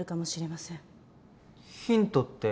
ヒントって。